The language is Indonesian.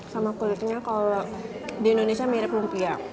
sama kulitnya kalau di indonesia mirip lumpia